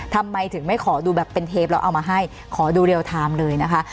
ทำไมถึงไม่ขอดูแบบเป็นเทปแล้วเอามาให้ขอดูเรียลไทม์เลยนะคะ